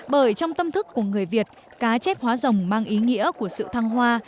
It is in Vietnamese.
bởi trong tâm thức của người việt cá chép hóa rồng mang ý nghĩa của sự thăng hoa